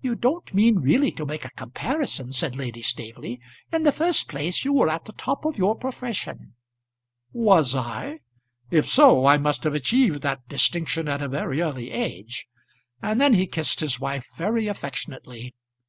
"You don't mean really to make a comparison?" said Lady Staveley. "In the first place you were at the top of your profession." "Was I? If so I must have achieved that distinction at a very early age." And then he kissed his wife very affectionately.